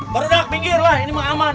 berdek pinggirlah ini mah aman